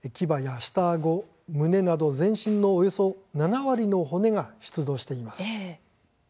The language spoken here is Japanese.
牙や下あご、胸など全身のおよそ７割の骨が出土しています。